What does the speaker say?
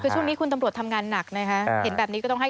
ช่วงนี้คุณตำรวจทำงานหนักนะครับ